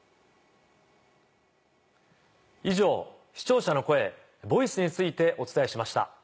以上視聴者の声ＶＯＩＣＥについてお伝えしました。